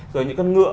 rồi những con ngựa